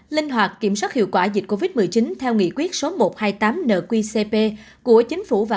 linh hoạt kiểm soát hiệu quả dịch covid một mươi chín theo nghị quyết số một trăm hai mươi tám nqcp của chính phủ và